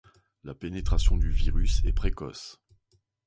La pénétration du virus est précoce.